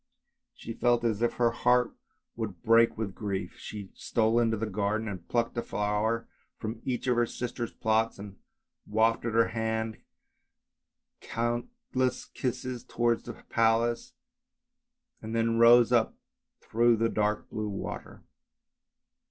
She felt as if her heart would break with THE MERMAID 15 grief. She stole into the garden and plucked a flower from each of her sister's plots, wafted with her hand countless kisses towards the palace, and then rose up through the dark blue water.